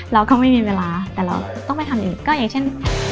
เราก็ไม่มีเวลาแต่เราต้องไปทำอีกก็อย่างเช่น